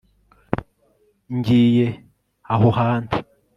ngiye aho hantu